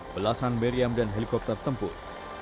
belasan meriam dan helikopter tempur